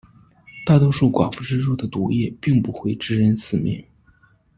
大多数寡妇蜘蛛的毒液并不会致人死命。